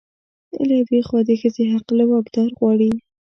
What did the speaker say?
له يوې خوا د ښځې حق له واکدار غواړي